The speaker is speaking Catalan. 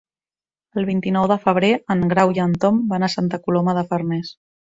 El vint-i-nou de febrer en Grau i en Tom van a Santa Coloma de Farners.